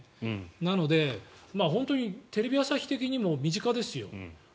なので、本当にテレビ朝日的にも身近ですよ。